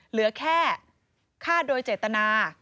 เหลือแค่ฆ่าโดยเจตนา